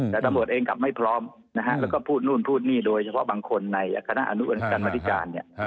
แต่ตำรวจเองกลับไม่พร้อมนะฮะแล้วก็พูดนู่นพูดนี่โดยเฉพาะบางคนในคณะอนุกรรมธิการเนี่ย